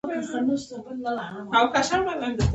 ځمکه د افغان کورنیو د دودونو یو ډېر مهم عنصر دی.